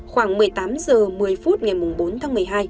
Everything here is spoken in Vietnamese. khoảng một mươi tám h một mươi phút ngày bốn tháng một mươi hai